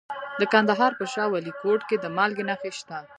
د کندهار په شاه ولیکوټ کې د مالګې نښې شته.